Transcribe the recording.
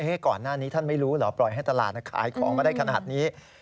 ก่อนหน้านี้ท่านไม่รู้เหรอปล่อยให้ตลาดขายของมาได้ขนาดนี้